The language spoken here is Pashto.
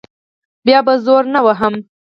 بیا به زور نه وهم.